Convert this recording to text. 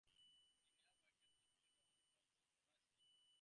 The nearby graveyard features old crosses and the resting places of prominent locals.